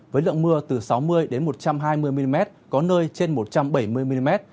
với lượng mưa từ sáu mươi một trăm hai mươi mm có nơi trên một trăm bảy mươi mm